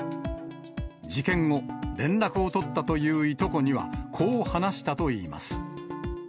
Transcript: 事件後、連絡を取ったといういとこには、こう話したといいます。